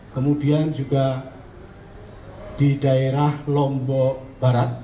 kemudian juga di daerah lombok barat